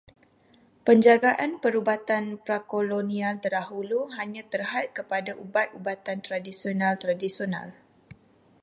Penjagaan perubatan pra-kolonial terdahulu hanya terhad kepada ubat-ubatan tradisional tradisional.